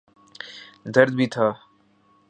درد بھی تھا۔